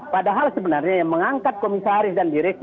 padahal sebenarnya yang mengangkat komisaris dan direksi